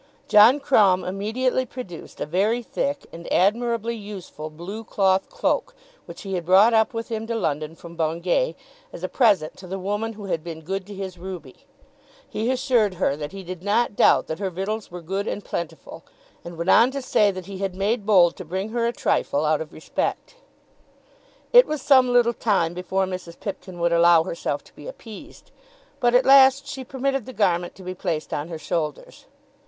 John Crumb immediately produced a very thick and admirably useful blue cloth cloak, which he had brought up with him to London from Bungay, as a present to the woman who had been good to his Ruby. He assured her that he did not doubt that her victuals were good and plentiful, and went on to say that he had made bold to bring her a trifle out of respect. It was some little time before Mrs. Pipkin would allow herself to be appeased; but at last she permitted the garment to be placed on her shoulders.